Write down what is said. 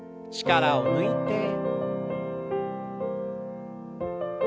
力を抜いて。